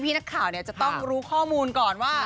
พี่นักข่าวเนี่ยจะต้องรู้ข้อมูลก่อนว่า